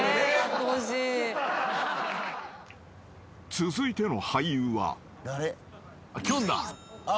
［続いての俳優は］